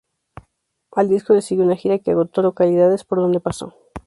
Al disco le siguió una gira que agotó localidades por donde pasó.